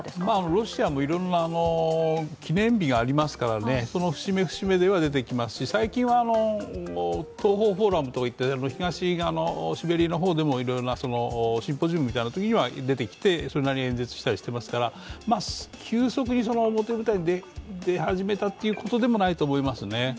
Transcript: ロシアもいろいろな記念日がありますからその節目、節目では出てきますし、最近は東方フォーラムということで、東側のシベリアの方でもいろいろなシンポジウムのときには出てきてそれなりに演説したりしてますから急速に表舞台に出始めたっていうことでもないと思いますね。